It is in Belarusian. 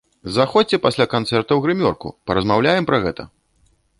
Заходзьце пасля канцэрта ў грымёрку, паразмаўляем пра гэта!